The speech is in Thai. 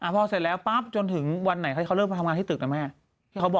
พอเสร็จแล้วปั๊บจนถึงวันไหนเขาเริ่มมาทำงานที่ตึกนะแม่